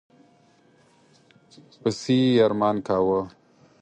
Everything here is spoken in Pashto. پسي یې ارمان کاوه.